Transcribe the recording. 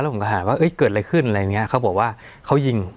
ผมก็ถามว่าเกิดอะไรขึ้นอะไรอย่างเงี้ยเขาบอกว่าเขายิง